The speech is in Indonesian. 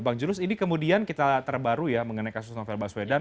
bang julus ini kemudian kita terbaru ya mengenai kasus novel baswedan